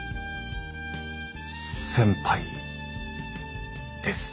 先輩です。